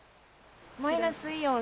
マイナスイオン